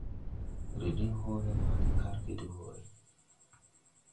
Re diŋ hɔɔle ma de karge de wɔɔre.